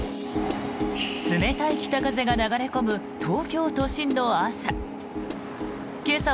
冷たい北風が流れ込む東京都心の朝。